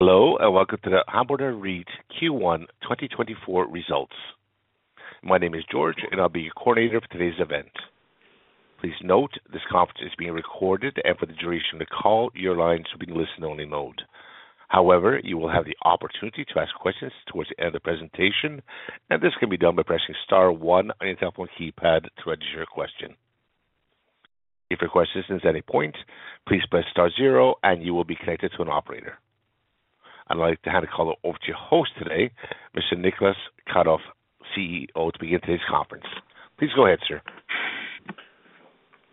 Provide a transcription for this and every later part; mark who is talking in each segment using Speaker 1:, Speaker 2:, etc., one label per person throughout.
Speaker 1: Hello, and Welcome to the Hamborner REIT Q1 2024 Results. My name is George, and I'll be your coordinator for today's event. Please note, this conference is being recorded, and for the duration of the call, your line should be in listen only mode. However, you will have the opportunity to ask questions towards the end of the presentation, and this can be done by pressing star one on your telephone keypad to register your question. If your question is at any point, please press star zero and you will be connected to an operator. I'd like to hand the call over to your host today, Mr. Niclas Karoff, CEO, to begin today's conference. Please go ahead, sir.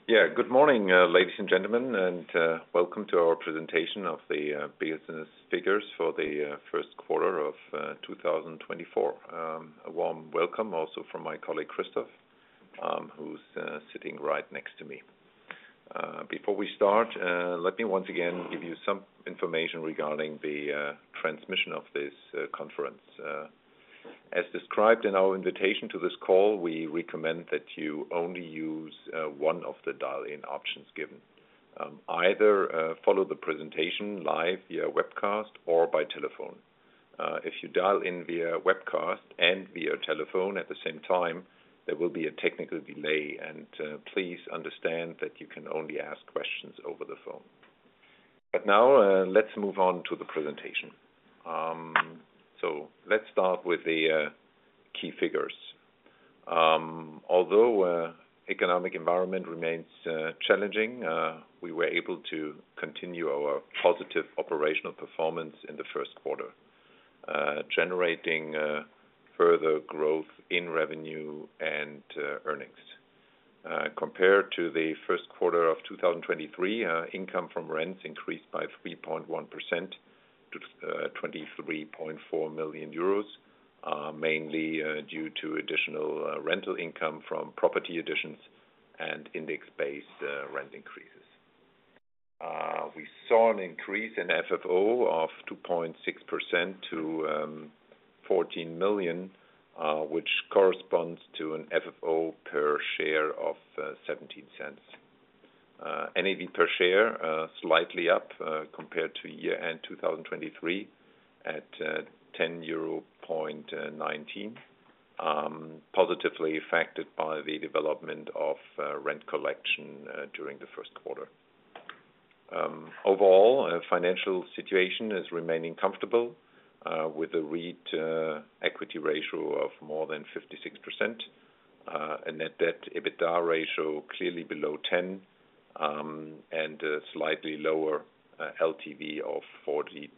Speaker 2: Yeah. Good morning, ladies and gentlemen, and, welcome to our presentation of the, business figures for the, first quarter of, 2024. A warm welcome also from my colleague, Christoph, who's sitting right next to me. Before we start, let me once again give you some information regarding the, transmission of this, conference. As described in our invitation to this call, we recommend that you only use, one of the dial-in options given. Either, follow the presentation live via webcast or by telephone. If you dial in via webcast and via telephone at the same time, there will be a technical delay and, please understand that you can only ask questions over the phone. But now, let's move on to the presentation. Let's start with the key figures. Although the economic environment remains challenging, we were able to continue our positive operational performance in the first quarter, generating further growth in revenue and earnings. Compared to the first quarter of 2023, income from rents increased by 3.1% to 23.4 million euros, mainly due to additional rental income from property additions and index-based rent increases. We saw an increase in FFO of 2.6% to 14 million, which corresponds to an FFO per share of 0.17. NAV per share slightly up compared to year-end 2023, at EUR 10.19, positively affected by the development of rent collection during the first quarter. Overall, financial situation is remaining comfortable, with a REIT equity ratio of more than 56%, a net debt EBITDA ratio clearly below 10, and a slightly lower LTV of 42.6%,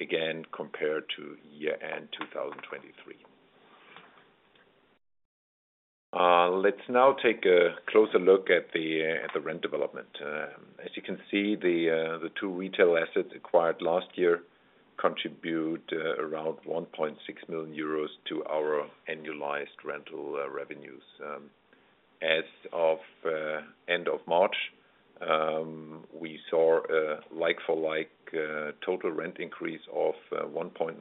Speaker 2: again, compared to year-end 2023. Let's now take a closer look at the rent development. As you can see, the two retail assets acquired last year contribute around 1.6 million euros to our annualized rental revenues. As of end of March, we saw a like-for-like total rent increase of 1.9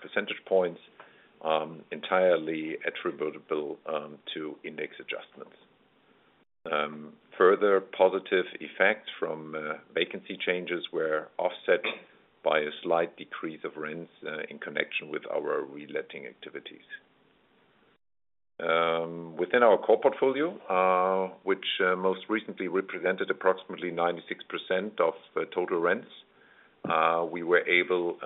Speaker 2: percentage points, entirely attributable to index adjustments. Further positive effects from vacancy changes were offset by a slight decrease of rents in connection with our reletting activities. Within our core portfolio, which most recently represented approximately 96% of the total rents, we were able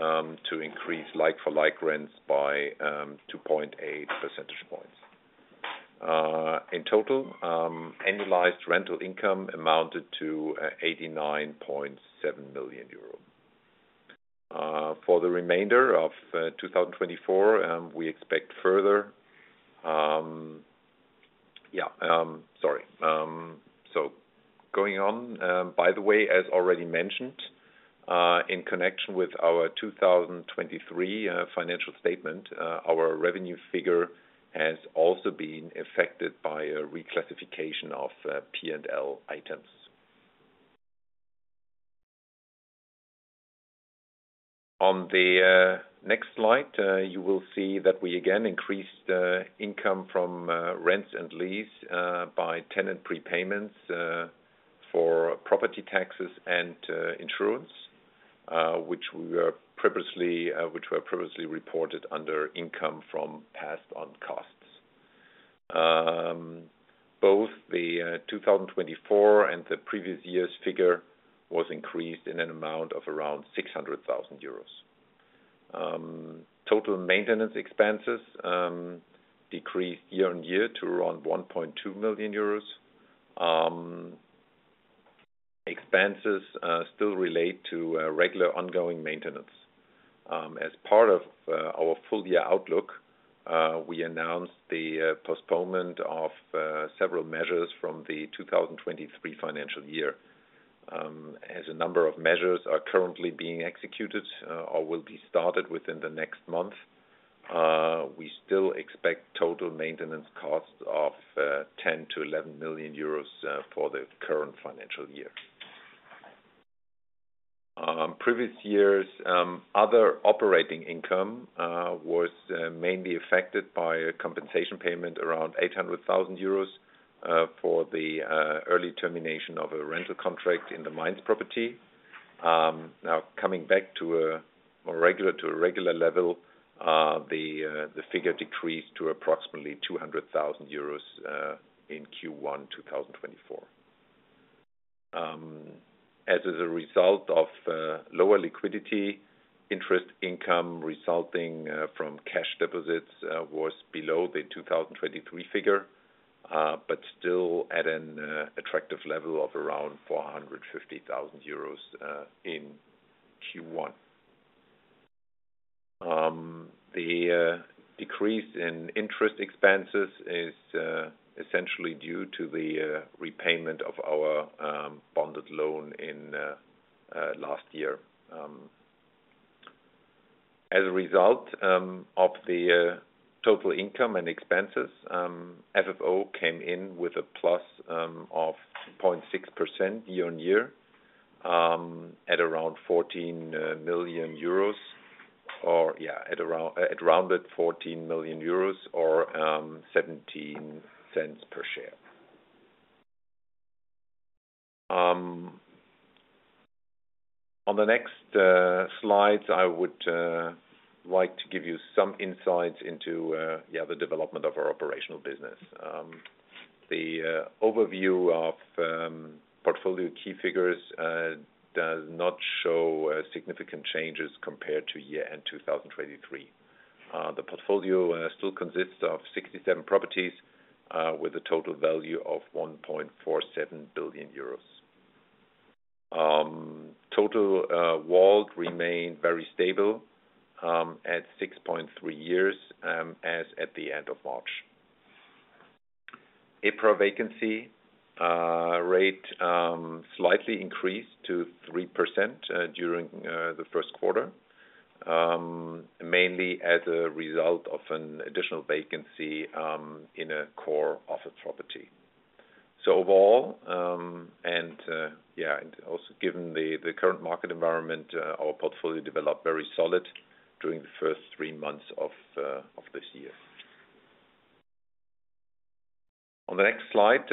Speaker 2: to increase like-for-like rents by 2.8 percentage points. In total, annualized rental income amounted to 89.7 million euros. For the remainder of 2024, we expect further... Yeah, sorry. So going on, by the way, as already mentioned, in connection with our 2023 financial statement, our revenue figure has also been affected by a reclassification of P&L items. On the next slide, you will see that we again increased income from rents and lease by tenant prepayments for property taxes and insurance, which were previously reported under income from passed on costs. Both the 2024 and the previous year's figure was increased in an amount of around 600 thousand euros. Total maintenance expenses decreased year-on-year to around EUR 1.2 million. Expenses still relate to regular ongoing maintenance. As part of our full-year outlook, we announced the postponement of several measures from the 2023 financial year. As a number of measures are currently being executed, or will be started within the next month, we still expect total maintenance costs of 10-11 million euros for the current financial year. Previous years, other operating income was mainly affected by a compensation payment around 800,000 euros for the early termination of a rental contract in the Mainz property. Now coming back to a more regular, to a regular level, the figure decreased to approximately 200,000 euros in Q1, 2024. As a result of lower liquidity, interest income resulting from cash deposits was below the 2023 figure, but still at an attractive level of around 450,000 euros in Q1. The decrease in interest expenses is essentially due to the repayment of our bonded loan in last year. As a result, of the total income and expenses, FFO came in with a plus of 0.6% year-on-year, at around 14 million euros, or yeah, at around—at rounded 14 million euros or 0.17 per share. On the next slides, I would like to give you some insights into yeah, the development of our operational business. The overview of portfolio key figures does not show significant changes compared to year-end 2023. The portfolio still consists of 67 properties with a total value of 1.47 billion euros. Total WALT remained very stable at 6.3 years as at the end of March. April vacancy rate slightly increased to 3% during the first quarter, mainly as a result of an additional vacancy in a core office property. So overall, also given the current market environment, our portfolio developed very solid during the first three months of this year. On the next slide,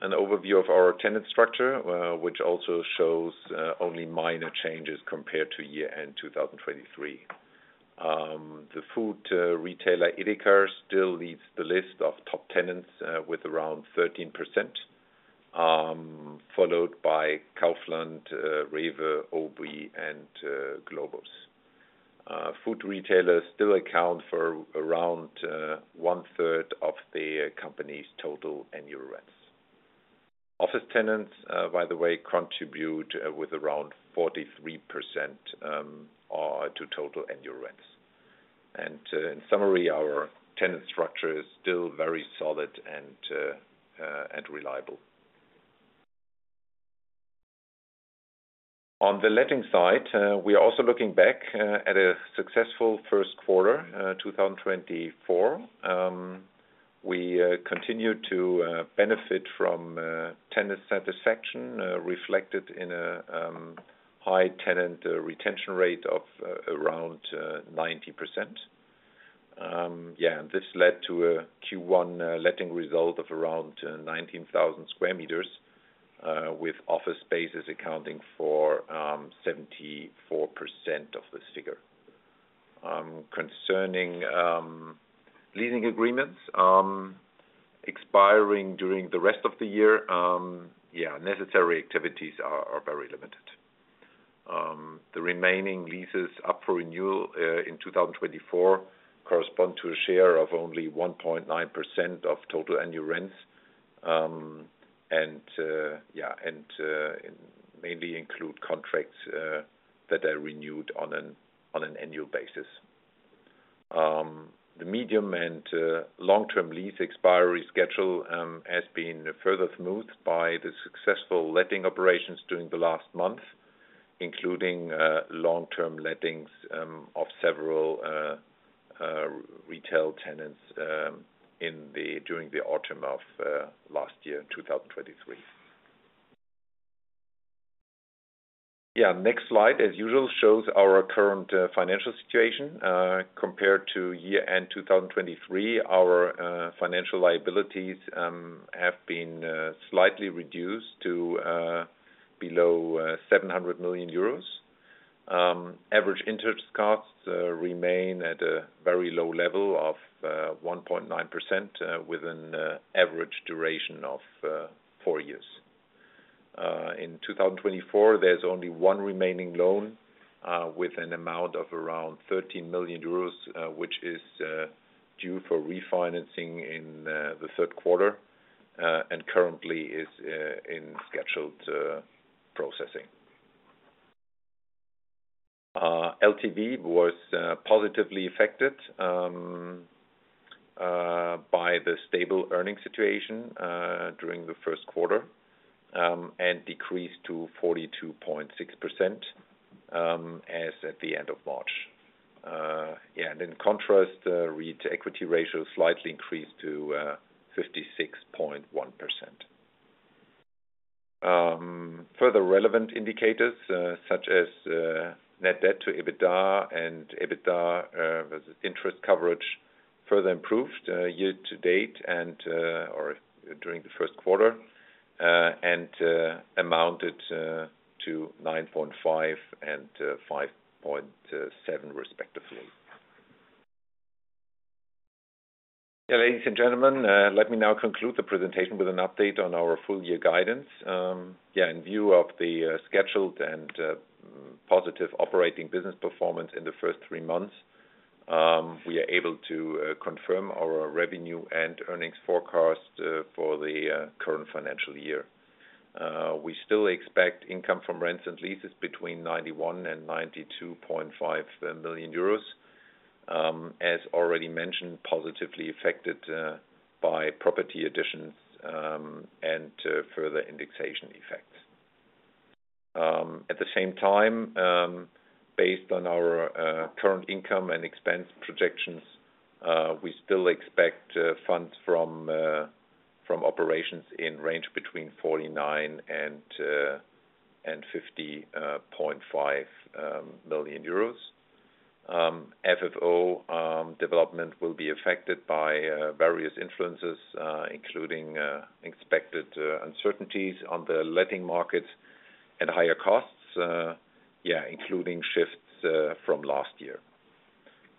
Speaker 2: an overview of our tenant structure, which also shows only minor changes compared to year-end 2023. The food retailer EDEKA still leads the list of top tenants with around 13%, followed by Kaufland, REWE, OBI, and Globus. Food retailers still account for around one-third of the company's total annual rents. Office tenants, by the way, contribute with around 43% to total annual rents. In summary, our tenant structure is still very solid and reliable. On the letting side, we are also looking back at a successful first quarter 2024. We continued to benefit from tenant satisfaction reflected in a high tenant retention rate of around 90%. Yeah, and this led to a Q1 letting result of around 19,000 sq m with office spaces accounting for 74% of this figure. Concerning leasing agreements expiring during the rest of the year, yeah, necessary activities are very limited. The remaining leases up for renewal in 2024 correspond to a share of only 1.9% of total annual rents and mainly include contracts that are renewed on an annual basis. The medium and long-term lease expiry schedule has been further smoothed by the successful letting operations during the last month, including long-term lettings of several retail tenants during the autumn of last year, in 2023. Next slide, as usual, shows our current financial situation. Compared to year-end 2023, our financial liabilities have been slightly reduced to below 700 million euros. Average interest costs remain at a very low level of 1.9%, with an average duration of 4 years. In 2024, there's only one remaining loan with an amount of around 13 million euros, which is due for refinancing in the third quarter, and currently is in scheduled processing. LTV was positively affected by the stable earnings situation during the first quarter, and decreased to 42.6%, as at the end of March. Yeah, and in contrast, REIT equity ratio slightly increased to 56.1%.... Further relevant indicators, such as net debt to EBITDA and EBITDA interest coverage further improved year-to-date or during the first quarter and amounted to 9.5 and 5.7 respectively. Ladies and gentlemen, let me now conclude the presentation with an update on our full-year guidance. In view of the scheduled and positive operating business performance in the first three months, we are able to confirm our revenue and earnings forecast for the current financial year. We still expect income from rents and leases between 91 million and 92.5 million euros. As already mentioned, positively affected by property additions and further indexation effects. At the same time, based on our current income and expense projections, we still expect Funds From Operations in range between 49 million and 50.5 million euros. FFO development will be affected by various influences, including expected uncertainties on the letting markets and higher costs, yeah, including shifts from last year.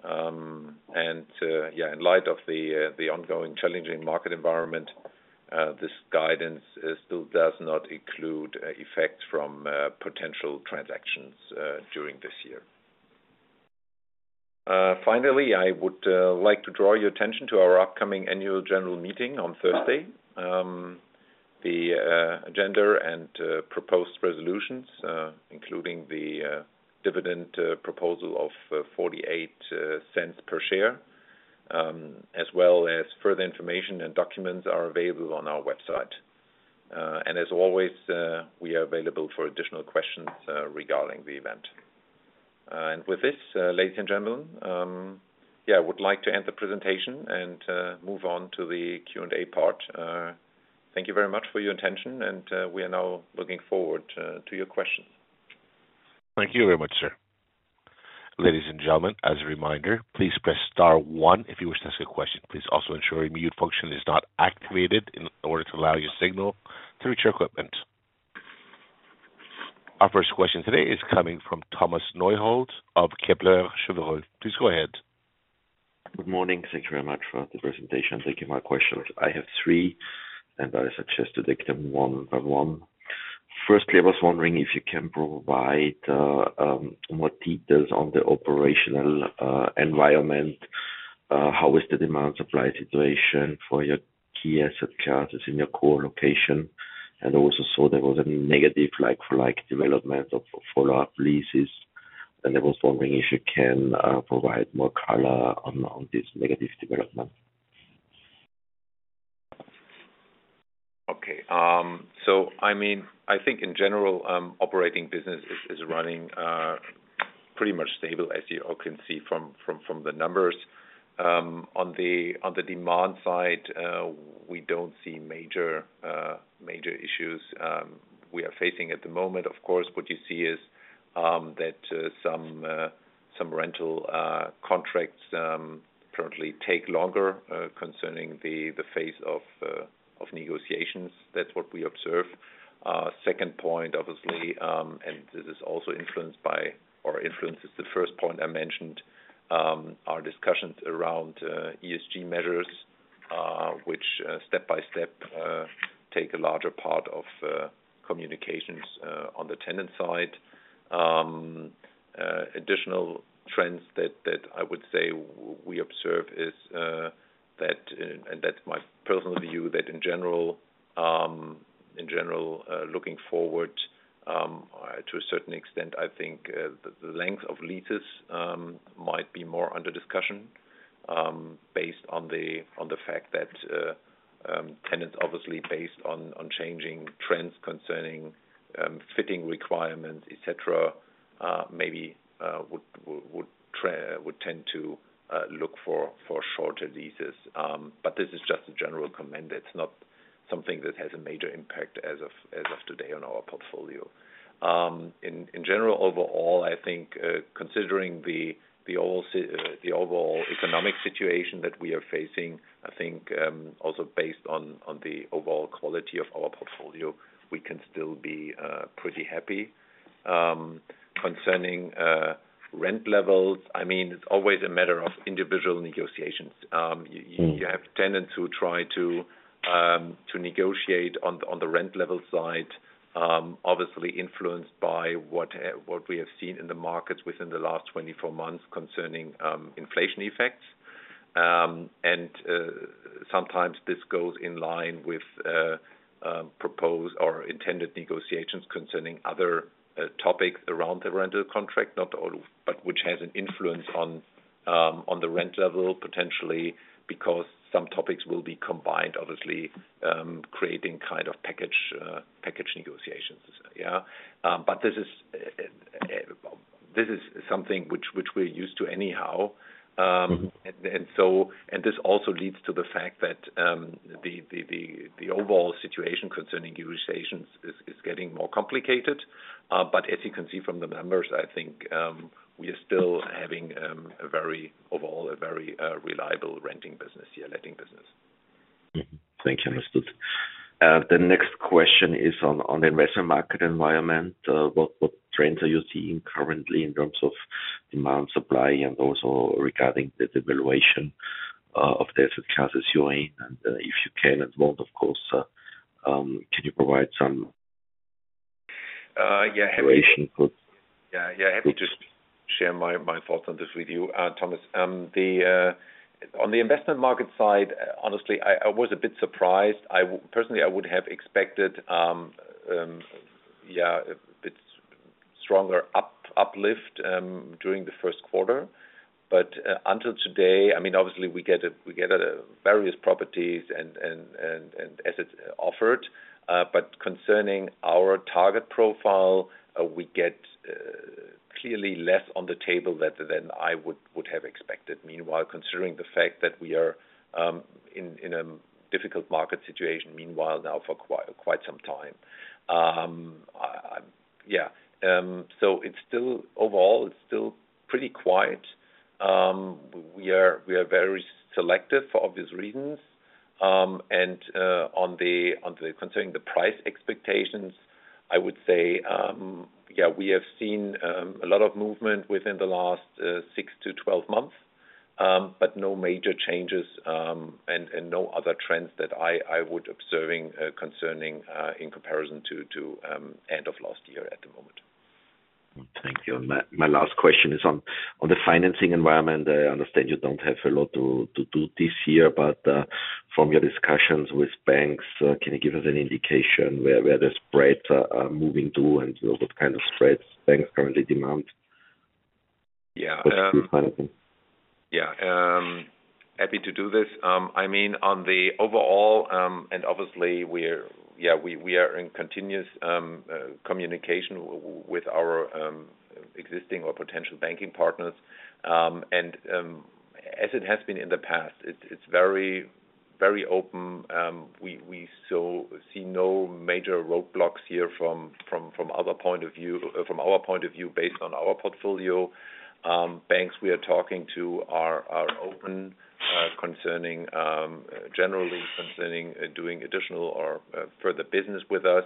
Speaker 2: And yeah, in light of the ongoing challenging market environment, this guidance still does not include effects from potential transactions during this year. Finally, I would like to draw your attention to our upcoming Annual General Meeting on Thursday. The agenda and proposed resolutions, including the dividend proposal of 0.48 per share, as well as further information and documents are available on our website. As always, we are available for additional questions regarding the event. With this, ladies and gentlemen, yeah, I would like to end the presentation and move on to the Q&A part. Thank you very much for your attention, and we are now looking forward to your questions.
Speaker 1: Thank you very much, sir. Ladies and gentlemen, as a reminder, please press star one if you wish to ask a question. Please also ensure your mute function is not activated in order to allow your signal through to your equipment. Our first question today is coming from Thomas Neuhold of Kepler Cheuvreux. Please go ahead.
Speaker 3: Good morning. Thank you very much for the presentation. Thank you. My questions, I have three, and I suggest to take them one by one. Firstly, I was wondering if you can provide more details on the operational environment. How is the demand supply situation for your key asset classes in your core location? And also, so there was a negative like-for-like development of follow-up leases, and I was wondering if you can provide more color on this negative development.
Speaker 2: Okay. So I mean, I think in general, operating business is running pretty much stable, as you all can see from the numbers. On the demand side, we don't see major issues we are facing at the moment. Of course, what you see is that some rental contracts currently take longer concerning the phase of negotiations. That's what we observe. Second point, obviously, and this is also influenced by, or influences the first point I mentioned, are discussions around ESG measures, which step by step take a larger part of communications on the tenant side. Additional trends that I would say we observe is that, and that's my personal view, that in general, looking forward, to a certain extent, I think, the length of leases might be more under discussion, based on the fact that tenants, obviously, based on changing trends concerning fitting requirements, et cetera, maybe would tend to look for shorter leases. But this is just a general comment. It's not something that has a major impact as of today on our portfolio. In general, overall, I think, considering the overall economic situation that we are facing, I think, also based on the overall quality of our portfolio, we can still be pretty happy. Concerning rent levels, I mean, it's always a matter of individual negotiations.
Speaker 3: Mm.
Speaker 2: have tenants who try to negotiate on the rent level side, obviously influenced by what we have seen in the markets within the last 24 months concerning inflation effects. And sometimes this goes in line with proposed or intended negotiations concerning other topics around the rental contract, not all, but which has an influence on the rent level, potentially, because some topics will be combined obviously, creating kind of package package negotiations. Yeah. But this is something which we're used to anyhow. And so this also leads to the fact that the overall situation concerning utilizations is getting more complicated. But as you can see from the numbers, I think, we are still having, a very, overall, a very, reliable renting business, yeah, letting business.
Speaker 3: Mm-hmm. Thank you, understood. The next question is on investment market environment. What trends are you seeing currently in terms of demand, supply, and also regarding the devaluation of the asset class as you are in? And, if you can and want, of course, can you provide some-
Speaker 2: Uh, yeah.
Speaker 3: Situation for-
Speaker 2: Yeah, yeah, happy to just share my thoughts on this with you, Thomas. On the investment market side, honestly, I was a bit surprised. I personally would have expected, yeah, a bit stronger uplift during the first quarter. But until today, I mean, obviously we get various properties and assets offered. But concerning our target profile, we get clearly less on the table than I would have expected. Meanwhile, considering the fact that we are in a difficult market situation, meanwhile, now for quite some time. I, yeah. So it's still... Overall, it's still pretty quiet. We are very selective for obvious reasons. And concerning the price expectations, I would say, yeah, we have seen a lot of movement within the last 6-12 months. But no major changes, and no other trends that I would observe concerning in comparison to end of last year at the moment.
Speaker 3: Thank you. My last question is on the financing environment. I understand you don't have a lot to do this year, but from your discussions with banks, can you give us an indication where the spreads are moving to and what kind of spreads banks currently demand?
Speaker 2: Yeah, um-
Speaker 3: Financing.
Speaker 2: Yeah, happy to do this. I mean, on the overall, and obviously we're, yeah, we are in continuous communication with our existing or potential banking partners. And, as it has been in the past, it's very open. We still see no major roadblocks here from other point of view-from our point of view, based on our portfolio. Banks we are talking to are open concerning generally concerning doing additional or further business with us.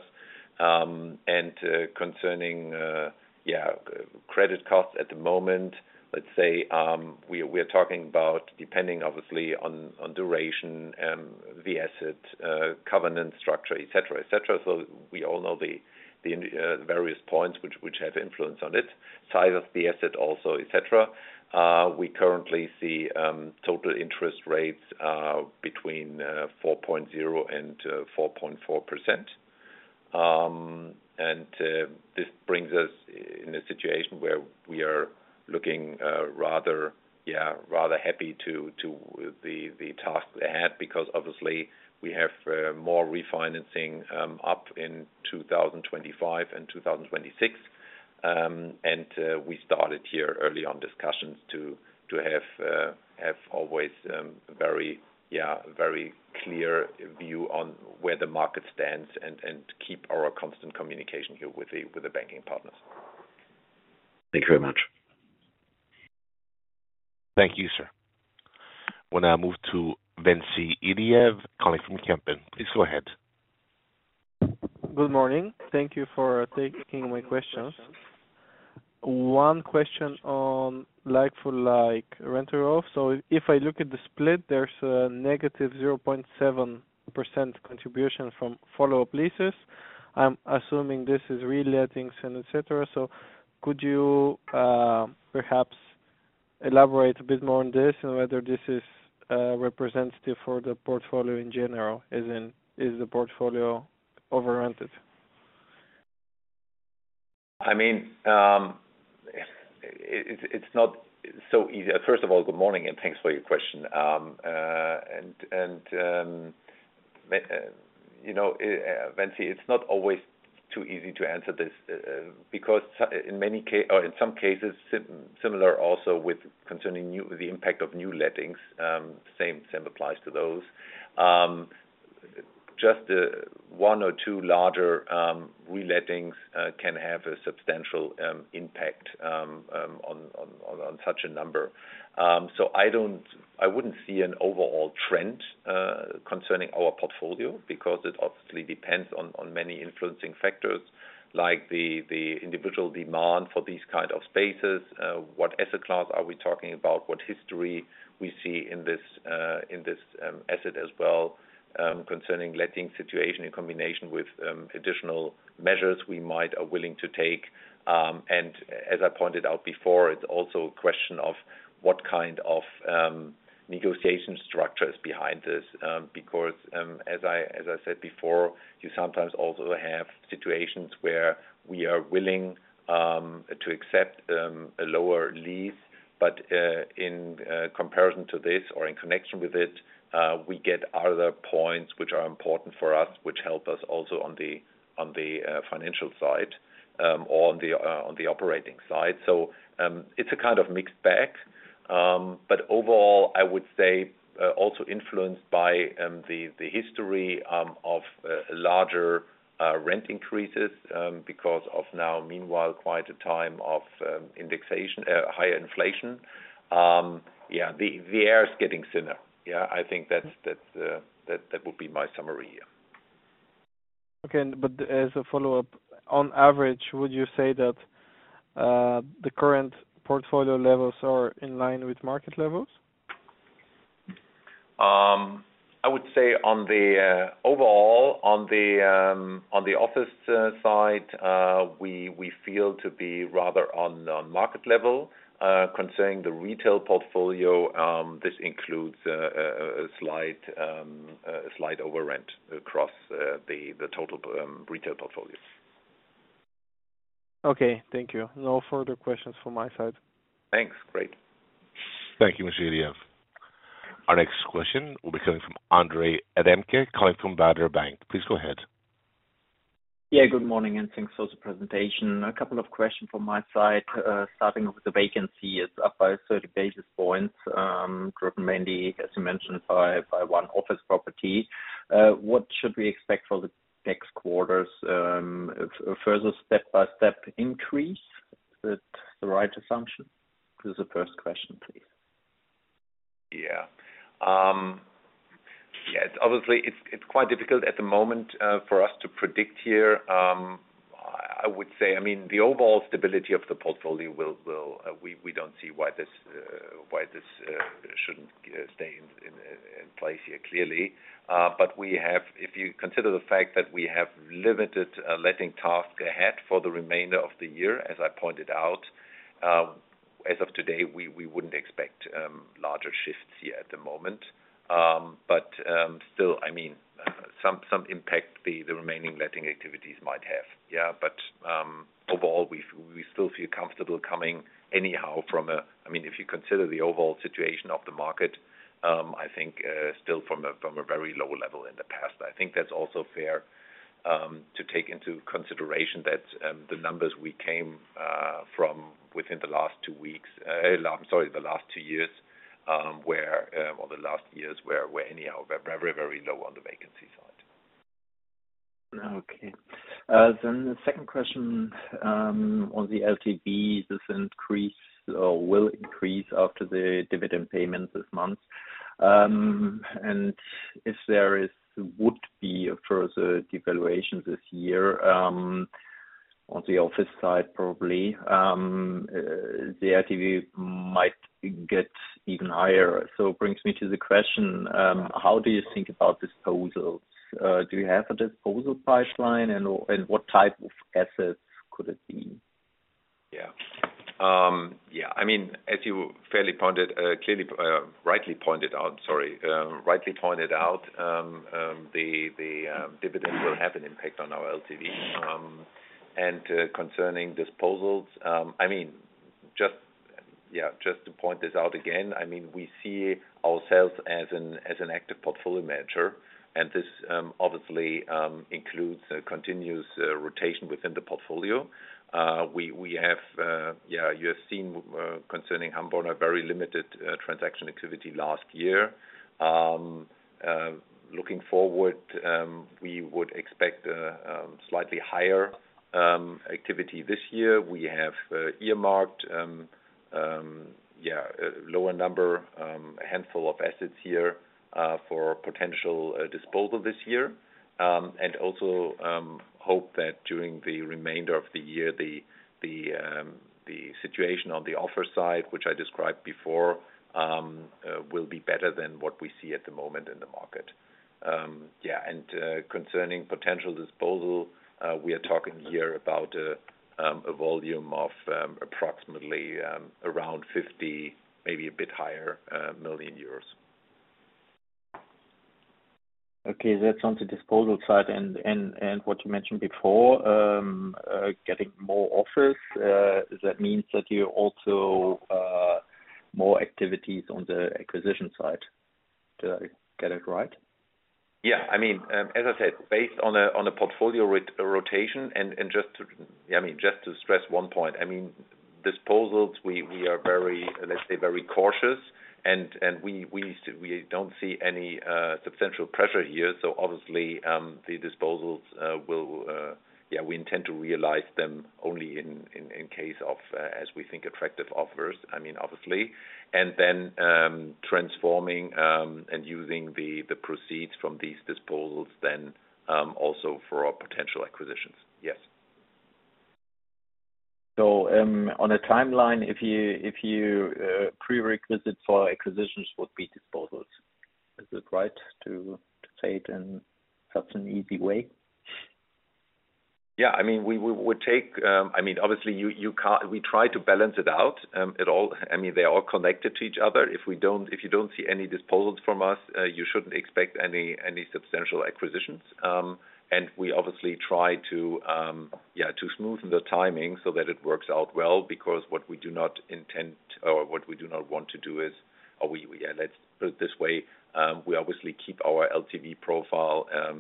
Speaker 2: And concerning yeah, credit costs at the moment, let's say, we're talking about depending obviously on duration, the asset covenant structure, et cetera, et cetera. So we all know the various points which have influence on it, size of the asset also, et cetera. We currently see total interest rates between 4.0% and 4.4%. This brings us in a situation where we are looking rather happy to the task ahead, because obviously we have more refinancing up in 2025 and 2026. We started here early on discussions to have always very clear view on where the market stands and keep our constant communication here with the banking partners.
Speaker 3: Thank you very much.
Speaker 1: Thank you, sir. We'll now move to Ventsi Iliev, calling from Kempen. Please go ahead.
Speaker 4: Good morning. Thank you for taking my questions. One question on like for like rent roll. So if I look at the split, there's a negative 0.7% contribution from follow-up leases. I'm assuming this is relettings and et cetera. So could you perhaps elaborate a bit more on this and whether this is representative for the portfolio in general, as in, is the portfolio over-rented?
Speaker 2: I mean, it's not so easy. First of all, good morning, and thanks for your question. You know, Ventsi, it's not always too easy to answer this, because in many cases or in some cases, similar also with concerning the impact of new lettings, same applies to those. Just one or two larger relettings can have a substantial impact on such a number. So I wouldn't see an overall trend concerning our portfolio, because it obviously depends on many influencing factors, like the individual demand for these kind of spaces. What asset class are we talking about? What history we see in this, in this, asset as well, concerning letting situation in combination with, additional measures we might are willing to take. And as I pointed out before, it's also a question of what kind of negotiation structures behind this, because, as I said before, you sometimes also have situations where we are willing, to accept, a lower lease. But, in, comparison to this or in connection with it, we get other points which are important for us, which help us also on the, on the, financial side, on the, on the operating side. So, it's a kind of mixed bag. But overall, I would say, also influenced by the history of larger rent increases because of now, meanwhile, quite a time of indexation, higher inflation. Yeah, the air is getting thinner. Yeah, I think that would be my summary here.
Speaker 4: Okay. But as a follow-up, on average, would you say that the current portfolio levels are in line with market levels?
Speaker 2: I would say on the overall, on the office side, we feel to be rather on market level. Concerning the retail portfolio, this includes a slight over rent across the total retail portfolio.
Speaker 4: Okay, thank you. No further questions from my side.
Speaker 2: Thanks. Great.
Speaker 1: Thank you, Mr. Iliev. Our next question will be coming from Andre Remke, calling from Baader Bank. Please go ahead.
Speaker 5: Yeah, good morning, and thanks for the presentation. A couple of questions from my side. Starting off with the vacancy, it's up by 30 basis points, driven mainly, as you mentioned, by one office property. What should we expect for the next quarters? A further step-by-step increase, is that the right assumption? This is the first question, please.
Speaker 2: Yeah. Yeah, obviously, it's quite difficult at the moment for us to predict here. I would say, I mean, the overall stability of the portfolio we don't see why this shouldn't stay in place here, clearly. But we have. If you consider the fact that we have limited letting task ahead for the remainder of the year, as I pointed out, as of today, we wouldn't expect larger shifts here at the moment. But still, I mean, some impact the remaining letting activities might have. Yeah, but overall, we still feel comfortable coming anyhow from a... I mean, if you consider the overall situation of the market, I think still from a very low level in the past. I think that's also fair to take into consideration that the numbers we came from within the last two years were, or the last years were, were anyhow, very, very low on the vacancy side.
Speaker 5: Okay. Then the second question, on the LTV, this increase, or will increase after the dividend payment this month. And if there is, would be a further devaluation this year, on the office side, probably, the LTV might get even higher. So it brings me to the question, how do you think about disposals? Do you have a disposal pipeline, and, and what type of assets could it be?
Speaker 2: Yeah. Yeah, I mean, as you fairly pointed, clearly, rightly pointed out, sorry. Rightly pointed out, the dividends will have an impact on our LTV. Concerning disposals, I mean, just, yeah, just to point this out again, I mean, we see ourselves as an active portfolio manager, and this obviously includes a continuous rotation within the portfolio. We have, yeah, you have seen, concerning Hamburg, a very limited transaction activity last year. Looking forward, we would expect slightly higher activity this year. We have earmarked, yeah, a lower number, a handful of assets here, for potential disposal this year. And also hope that during the remainder of the year, the situation on the offer side, which I described before, will be better than what we see at the moment in the market. Yeah, and concerning potential disposal, we are talking here about a volume of approximately around 50 million, maybe a bit higher.
Speaker 5: Okay, that's on the disposal side. And what you mentioned before, getting more offers, that means that you're also more activities on the acquisition side. Did I get it right?
Speaker 2: Yeah, I mean, as I said, based on a portfolio rotation and just to, I mean, just to stress one point, I mean, disposals, we are very, let's say, very cautious, and we don't see any substantial pressure here. So obviously, the disposals will, yeah, we intend to realize them only in case of, as we think, attractive offers, I mean, obviously. And then, transforming and using the proceeds from these disposals then also for our potential acquisitions. Yes.
Speaker 5: On a timeline, if the prerequisite for acquisitions would be disposals, is it right to say it in such an easy way? ...
Speaker 2: Yeah, I mean, we would take, I mean, obviously, you can't - we try to balance it out, it all - I mean, they're all connected to each other. If we don't, if you don't see any disposals from us, you shouldn't expect any substantial acquisitions. And we obviously try to, yeah, to smoothen the timing so that it works out well, because what we do not intend or what we do not want to do is, we, yeah, let's put it this way, we obviously keep our LTV profile, yeah,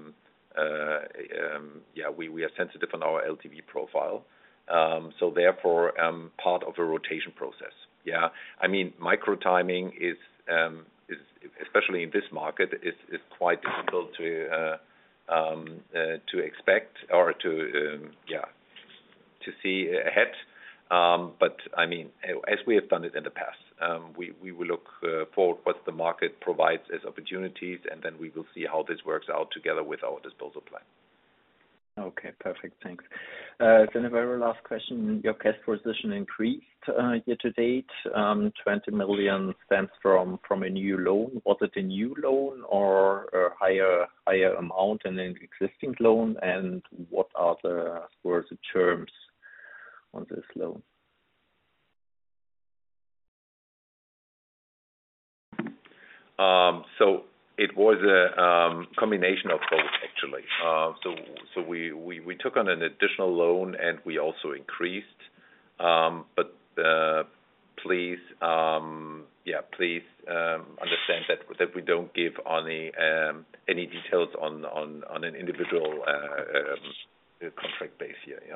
Speaker 2: we are sensitive on our LTV profile. So therefore, part of a rotation process. Yeah. I mean, micro timing is especially in this market quite difficult to expect or to see ahead. But I mean, as we have done it in the past, we will look for what the market provides as opportunities, and then we will see how this works out together with our disposal plan.
Speaker 5: Okay, perfect. Thanks. A very last question. Your cash position increased year to date 20 million stems from a new loan. Was it a new loan or a higher amount in an existing loan, and what are the terms on this loan?
Speaker 2: So it was a combination of both, actually. So we took on an additional loan and we also increased. But please understand that we don't give any details on an individual contract basis here. Yeah.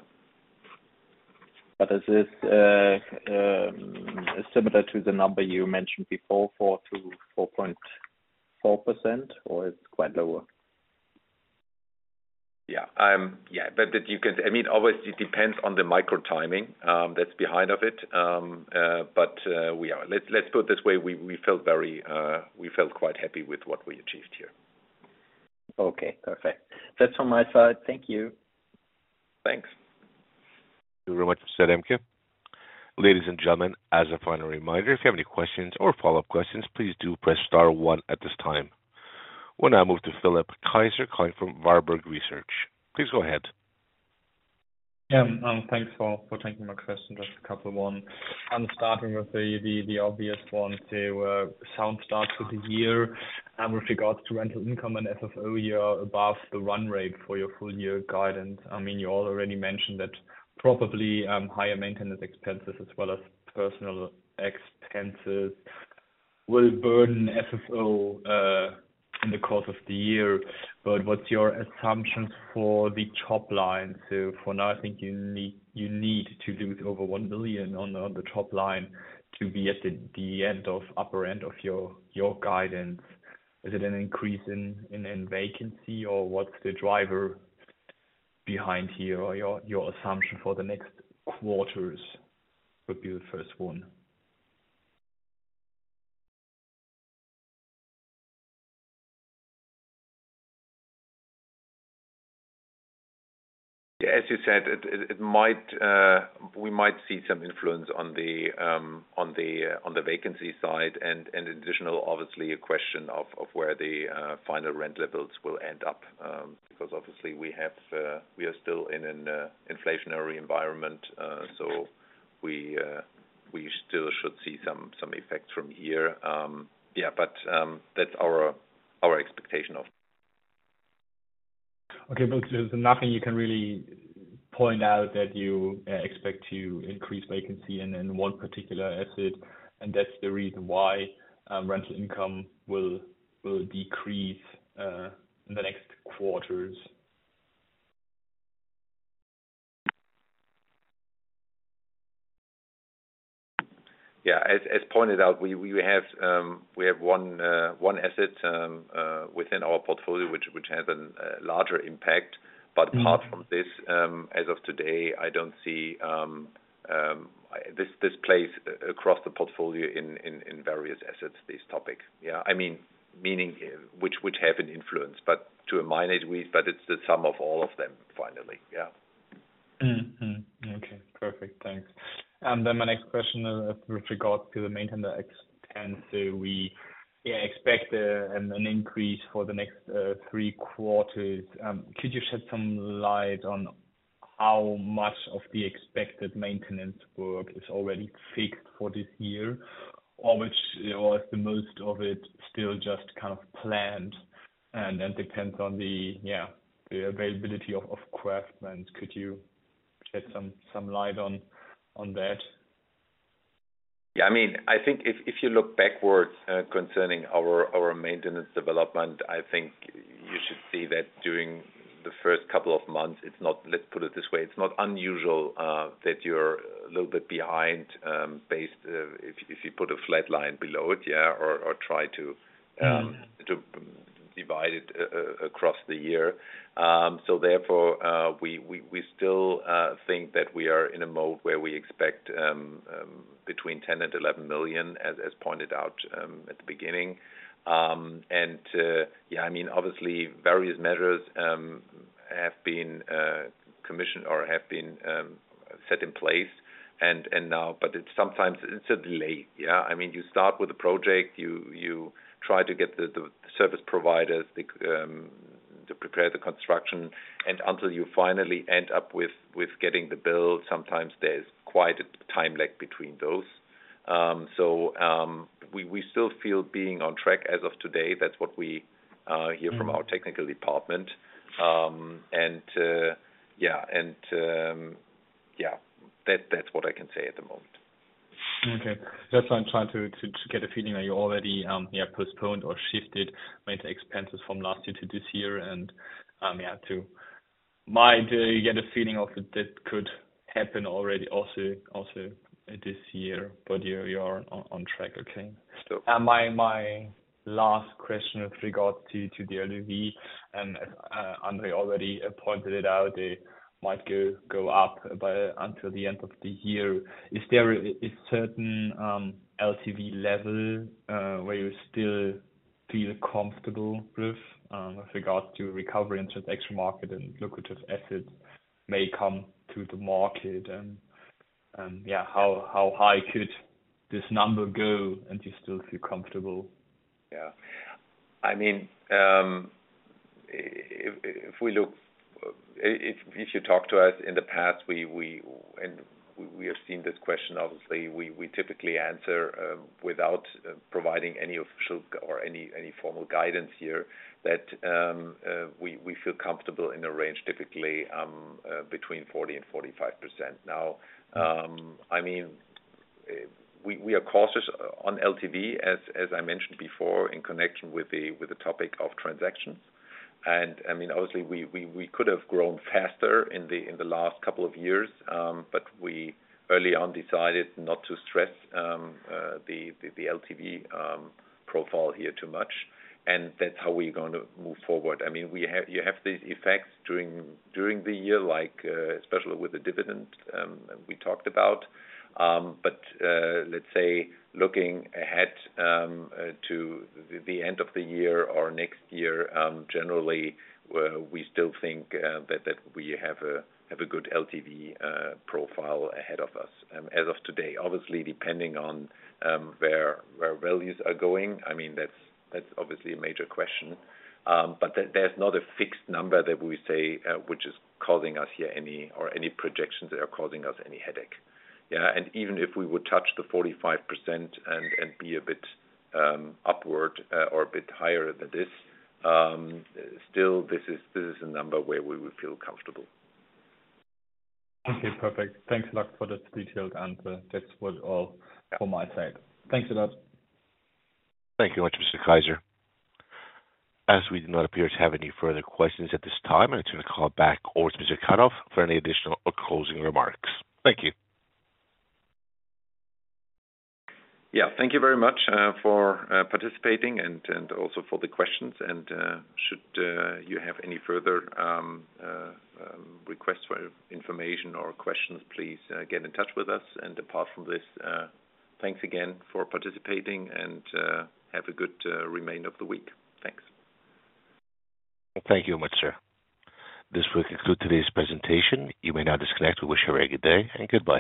Speaker 5: Is this similar to the number you mentioned before, 4%-4.4%, or it's quite lower?
Speaker 2: Yeah. Yeah, but that you can—I mean, obviously, it depends on the micro timing that's behind it. But we are... Let's put it this way, we, we felt very, we felt quite happy with what we achieved here.
Speaker 5: Okay, perfect. That's from my side. Thank you.
Speaker 2: Thanks.
Speaker 1: Thank you very much, Andre Remke. Ladies and gentlemen, as a final reminder, if you have any questions or follow-up questions, please do press star one at this time. We'll now move to Philipp Kaiser, calling from Warburg Research. Please go ahead.
Speaker 6: Thanks for taking my question, just a couple of one. I'm starting with the obvious one, the sound start to the year, with regards to rental income and FFO, you are above the run rate for your full year guidance. I mean, you already mentioned that probably, higher maintenance expenses as well as personal expenses will burden FFO, in the course of the year. But what's your assumptions for the top line? So for now, I think you need to do it over 1 billion on the top line to be at the upper end of your guidance. Is it an increase in vacancy, or what's the driver behind here, or your assumption for the next quarters, would be the first one?
Speaker 2: Yeah, as you said, it might, we might see some influence on the vacancy side, and additional, obviously, a question of where the final rent levels will end up. Because obviously we have, we are still in an inflationary environment. So we still should see some effects from here. Yeah, but that's our expectation of.
Speaker 6: Okay, but there's nothing you can really point out that you expect to increase vacancy in one particular asset, and that's the reason why rental income will decrease in the next quarters?
Speaker 2: Yeah, as pointed out, we have one asset within our portfolio which has a larger impact.
Speaker 6: Mm-hmm.
Speaker 2: But apart from this, as of today, I don't see this plays across the portfolio in various assets, these topics. Yeah, I mean, meaning which have an influence, but to a minor degree, but it's the sum of all of them finally. Yeah.
Speaker 6: Okay, perfect. Thanks. And then my next question with regards to the maintenance expense, so we, yeah, expect an increase for the next three quarters. Could you shed some light on how much of the expected maintenance work is already fixed for this year, or is the most of it still just kind of planned, and depends on the, yeah, the availability of craftsmen. Could you shed some light on that?
Speaker 2: Yeah, I mean, I think if you look backwards, concerning our maintenance development, I think you should see that during the first couple of months, it's not... Let's put it this way, it's not unusual that you're a little bit behind, based if you put a flat line below it, yeah, or try to-
Speaker 6: Mm.
Speaker 2: -to divide it across the year. So therefore, we still think that we are in a mode where we expect between 10 million and 11 million, as pointed out at the beginning. And yeah, I mean, obviously, various measures have been commissioned or have been set in place and now, but it's sometimes a delay. Yeah, I mean, you start with a project, you try to get the service providers to prepare the construction, and until you finally end up with getting the bill, sometimes there's quite a time lag between those. So we still feel being on track as of today. That's what we hear from our technical department. Yeah, and yeah, that's what I can say at the moment.
Speaker 6: Okay. That's why I'm trying to get a feeling that you already postponed or shifted many expenses from last year to this year, and today you get a feeling that could happen already also this year, but you are on track. Okay. So, my last question with regards to the LTV, and Andre already pointed it out, they might go up until the end of the year. Is there a certain LTV level where you still feel comfortable with regard to recovery into the extra market and lucrative assets may come to the market? And how high could this number go and you still feel comfortable?
Speaker 2: Yeah. I mean, if we look, if you talk to us in the past, we, and we have seen this question, obviously, we typically answer, without providing any official or any formal guidance here, that we feel comfortable in a range, typically, between 40% and 45%. Now, I mean, we are cautious on LTV, as I mentioned before, in connection with the topic of transactions. And I mean, obviously, we could have grown faster in the last couple of years, but we early on decided not to stress the LTV profile here too much, and that's how we're going to move forward. I mean, we have—you have these effects during the year, like, especially with the dividend we talked about. But let's say, looking ahead to the end of the year or next year, generally, we still think that we have a good LTV profile ahead of us. As of today, obviously, depending on where values are going, I mean, that's obviously a major question. But there's not a fixed number that we say which is causing us here any projections that are causing us any headache. Yeah, and even if we would touch the 45% and be a bit upward or a bit higher than this, still this is a number where we would feel comfortable.
Speaker 6: Okay, perfect. Thanks a lot for that detailed answer. That was all from my side. Thanks a lot.
Speaker 1: Thank you much, Mr. Kaiser. As we do not appear to have any further questions at this time, I'm going to call back host, Mr. Karoff, for any additional or closing remarks. Thank you.
Speaker 2: Yeah. Thank you very much for participating and also for the questions. Should you have any further requests for information or questions, please get in touch with us. Apart from this, thanks again for participating, and have a good remainder of the week. Thanks.
Speaker 1: Thank you very much, sir. This will conclude today's presentation. You may now disconnect. We wish you a very good day, and goodbye.